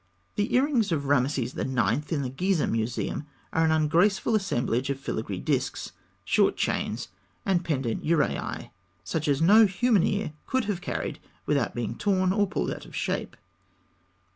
The earrings of Rameses IX. in the Gizeh Museum are an ungraceful assemblage of filigree disks, short chains, and pendent uraei, such as no human ear could have carried without being torn, or pulled out of shape.